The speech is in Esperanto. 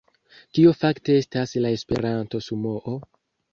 Kio fakte estas la Esperanto-sumoo?